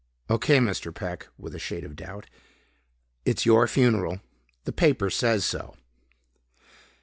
"Okay, Mr. Peck," with a shade of doubt. "It's your funeral. The paper says so."